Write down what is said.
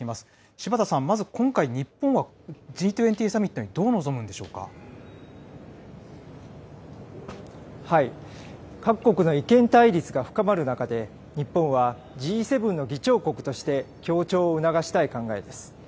柴田さん、まず今回、日本はＧ２０サミットにどう臨むんでしょう各国の意見対立が深まる中で、日本はＧ７の議長国として協調を促したい考えです。